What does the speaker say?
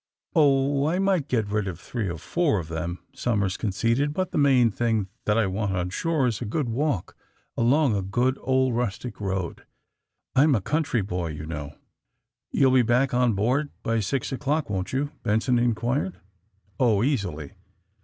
'^Oh, I might get rid of three or four of them," Somers conceded, *'but the main thing that I want on shore is a good walk along a good old rustic road. I'm a country boy, you know." ''You'll be back on board by six o'clock, won't you?" Benson inquired. "Oh, easily."